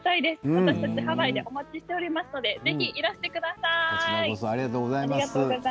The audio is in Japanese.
私たちハワイでお待ちしておりますので、ぜひいらしてください。